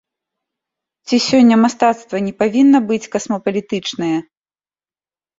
Ці сёння мастацтва не павінна быць касмапалітычнае?